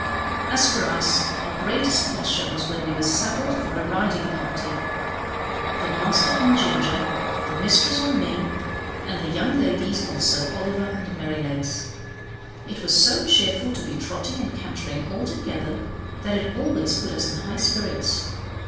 As for us, our greatest pleasure was when we were saddled for a riding party; the master on Ginger, the mistress on me, and the young ladies on Sir Oliver and Merrylegs. It was so cheerful to be trotting and cantering all together that it always put us in high spirits.